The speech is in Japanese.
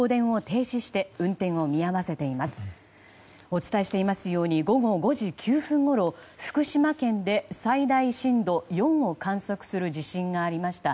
お伝えしていますように午後５時９分ごろ福島県で最大震度４を観測する地震がありました。